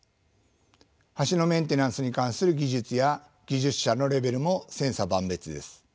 橋のメンテナンスに関する技術や技術者のレベルも千差万別です。